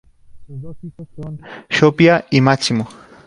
Sus dos hijos son Sophia y Máximo.